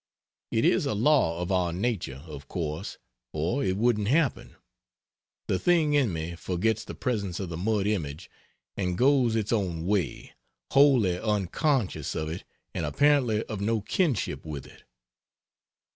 It is a law of our nature, of course, or it wouldn't happen; the thing in me forgets the presence of the mud image and goes its own way, wholly unconscious of it and apparently of no kinship with it.